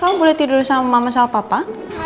kamu boleh tidur sama mama sama papa